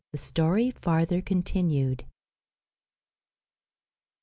_The story farther continued.